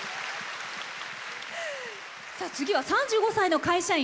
次は３５歳の会社員。